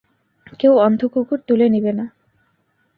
কেউ অন্ধ কুকুর তুলে নিবে না।